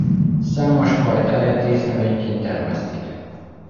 Számos fajtáját dísznövényként termesztik.